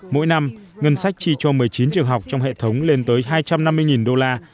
mỗi năm ngân sách chi cho một mươi chín trường học trong hệ thống lên tới hai trăm năm mươi đô la